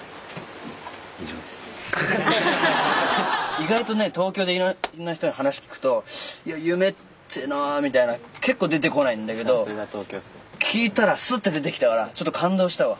意外とね東京でいろんな人に話聞くと「いや夢ってな」みたいな結構出てこないんだけど聞いたらスッて出てきたからちょっと感動したわ。